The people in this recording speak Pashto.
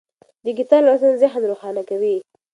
د کتاب لوستل ذهن روښانه کوي.